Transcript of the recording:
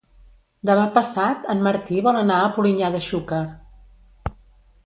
Demà passat en Martí vol anar a Polinyà de Xúquer.